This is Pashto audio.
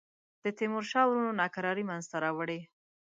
د تیمورشاه د وروڼو ناکراری منځته راوړي.